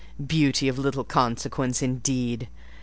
Beauty of little consequence, indeed!